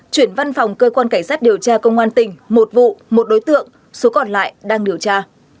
cảnh sát điều tra công an tỉnh một vụ một đối tượng số còn lại đang điều tra